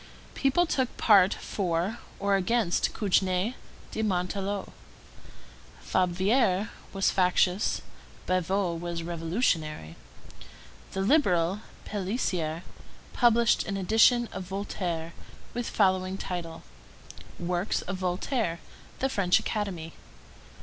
People took part for or against Cugnet de Montarlot. Fabvier was factious; Bavoux was revolutionary. The Liberal, Pélicier, published an edition of Voltaire, with the following title: Works of Voltaire, of the French Academy.